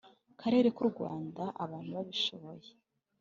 karere k u Rwanda abantu babishoboye